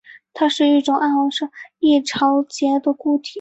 它是一种暗红色易潮解的固体。